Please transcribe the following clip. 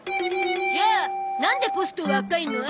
じゃあなんでポストは赤いの？